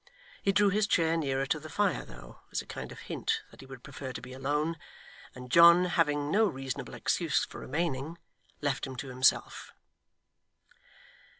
He drew his chair nearer to the fire though, as a kind of hint that he would prefer to be alone, and John, having no reasonable excuse for remaining, left him to himself.